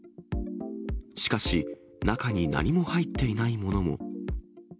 しかし、中に何も入っていないものも。